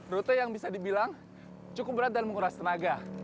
rute yang bisa dibilang cukup berat dan menguras tenaga